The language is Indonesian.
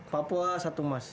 papua satu emas